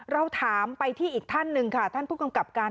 เราถามไปที่อีกท่านหนึ่งค่ะท่านผู้กำกับการ